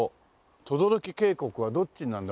等々力渓谷はどっちになるんだ？